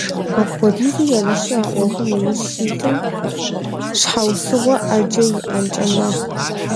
Апхуэдизу ерыщу а Ӏуэхум иужь щӀитым щхьэусыгъуэ Ӏэджэ иӀэнкӀэ мэхъу.